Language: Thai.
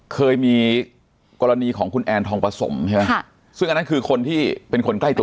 เคยมีกรณีของคุณแอนทองประสมใช่ไหมซึ่งอันนั้นคือคนที่เป็นคนใกล้ตัว